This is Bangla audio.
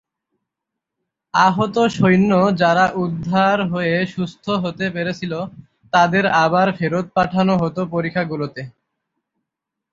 আহত সৈন্য যারা উদ্ধার হয়ে সুস্থ হতে পেরেছিল তাদের আবার ফেরত পাঠানো হতো পরিখা গুলোতে।